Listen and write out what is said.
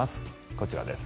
こちらです。